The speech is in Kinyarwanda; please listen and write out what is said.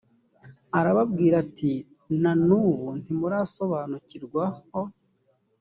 arababwira ati na n ubu ntimurasobanukirwa h